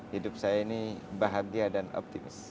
hidup saya ini bahagia dan optimis